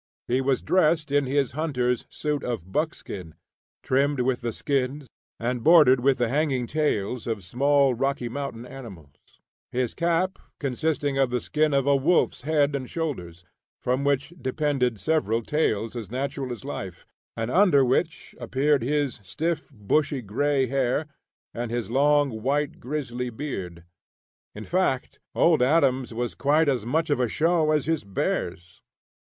He was dressed in his hunter's suit of buckskin, trimmed with the skins and bordered with the hanging tails of small Rocky Mountain animals; his cap consisting of the skin of a wolf's head and shoulders, from which depended several tails as natural as life, and under which appeared his stiff bushy gray hair and his long white grizzly beard. In fact, Old Adams was quite as much of a show as his bears.